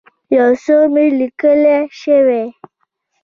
یو څه مي لیکلای شوای.